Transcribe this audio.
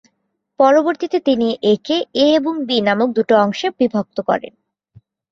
পরবর্তীতে তিনি একে এ এবং বি নামক দুটো অংশে বিভক্ত করেন।